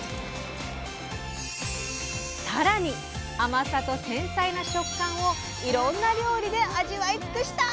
さらに甘さと繊細な食感をいろんな料理で味わいつくしたい！